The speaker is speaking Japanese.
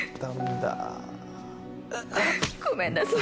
ごめんなさい。